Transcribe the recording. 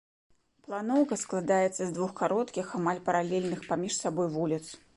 Планоўка складаецца з двух кароткіх амаль паралельных паміж сабой вуліц.